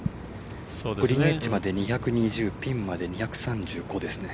グリーンエッジまで２２０ピンまで２３５ですね。